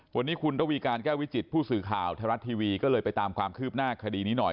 วันนี้คุณระวีการแก้ววิจิตผู้สื่อข่าวไทยรัฐทีวีก็เลยไปตามความคืบหน้าคดีนี้หน่อย